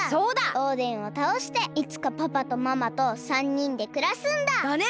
オーデンをたおしていつかパパとママと３にんでくらすんだ！だね！